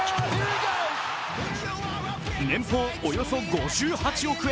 年俸およそ５８億円。